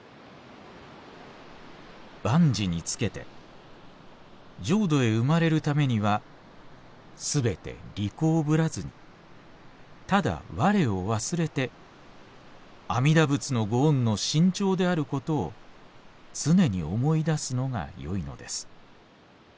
「万事につけて浄土へ生まれるためにはすべて利口ぶらずにただ我を忘れて阿弥陀仏のご恩の深重であることを常に思い出すのがよいのです。